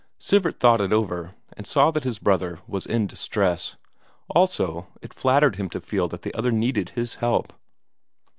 Sivert thought over it, and saw that his brother was in distress; also it flattered him to feel that the other needed his help.